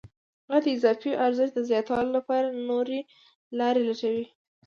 هغه د اضافي ارزښت د زیاتولو لپاره نورې لارې لټوي